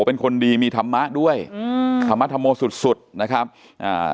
เป็นคนดีมีธรรมะด้วยอืมธรรมธรโมสุดสุดนะครับอ่า